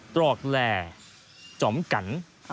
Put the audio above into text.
ตรอกแหล่จอมกัน